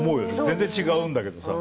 全然違うんだけどさ。